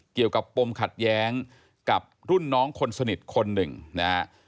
ปมขัดแย้งกับรุ่นน้องคนสนิทคนหนึ่งนะฮะ